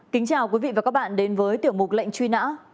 kính chào quý vị và các bạn đến với tiểu mục lệnh truy nã